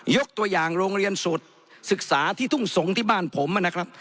ยกตัวอย่างโรงเรียนสุดศึกษาที่ทุ่งสงศ์ที่บ้านผมนะครับ